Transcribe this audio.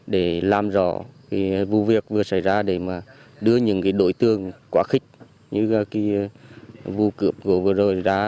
để làm rõ vụ việc vừa xảy ra để mà đưa những đối tượng quá khích như vụ cướp vừa rồi ra